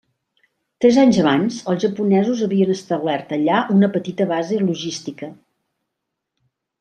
Tres anys abans, els japonesos havien establert allà una petita base logística.